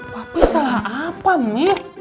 papi salah apa mie